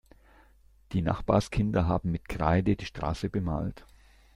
Die Nachbarskinder haben mit Kreide die Straße bemalt.